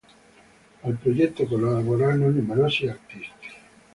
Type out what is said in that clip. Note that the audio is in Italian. Al progetto collaborano numerosi artisti.